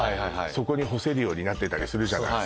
そこに干せるようになってたりするじゃない？